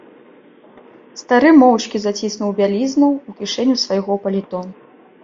Стары моўчкі заціснуў бялізну ў кішэню свайго палітона.